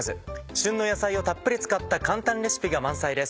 旬の野菜をたっぷり使った簡単レシピが満載です。